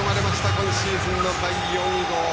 今シーズンの第４号。